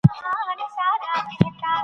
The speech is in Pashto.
پر مځکي باندي د باران غږ ډېر خوږ لګېدی.